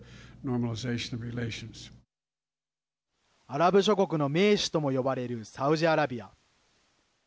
アラブ諸国の盟主とも呼ばれるサウジアラビア。